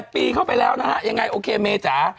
๘ปีเข้าไปแล้วนะคะอย่างไรโอเคเมว่าจอ